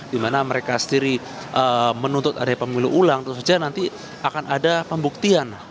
dimana mereka sendiri menuntut dari pemilu ulang terus saja nanti akan ada pembuktian